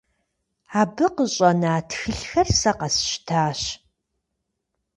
Абы къыщӀэна тхылъхэр сэ къэсщтащ.